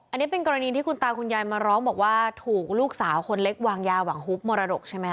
อันนี้เป็นกรณีที่คุณตาคุณยายมาร้องบอกว่าถูกลูกสาวคนเล็กวางยาหวังฮุบมรดกใช่ไหมค